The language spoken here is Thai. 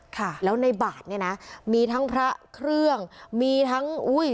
ค่ะแล้วในบาทเนี่ยนะมีทั้งพระเครื่องมีทั้งอุ้ย